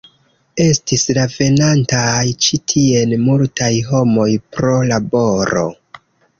Estis venantaj ĉi tien multaj homoj pro laboro.